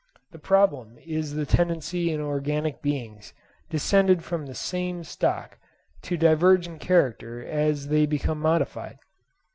This problem is the tendency in organic beings descended from the same stock to diverge in character as they become modified.